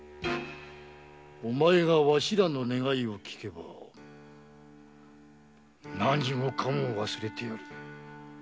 お前がわしらの願いをきけば何もかも忘れてやる。